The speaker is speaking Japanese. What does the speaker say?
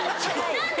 何で？